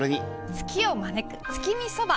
ツキを招く月見そば！